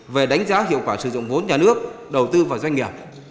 về đánh giá hiệu quả sử dụng vốn nhà nước đầu tư vào doanh nghiệp